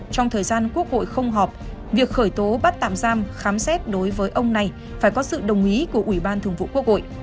trong thời gian quốc hội không họp việc khởi tố bắt tạm giam khám xét đối với ông này phải có sự đồng ý của ủy ban thường vụ quốc hội